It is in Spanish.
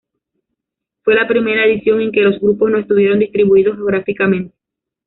Fue la primera edición en que los grupos no estuvieran distribuidos geográficamente.